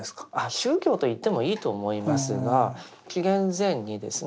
宗教といってもいいと思いますが紀元前にですね